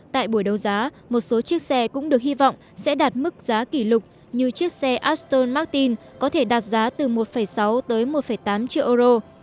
tại buổi đấu giá một số chiếc xe cũng được hy vọng sẽ đạt mức giá kỷ lục như chiếc xe aston martin có thể đạt giá từ một sáu tới một tám triệu euro